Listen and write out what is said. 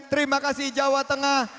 terima kasih jawa tengah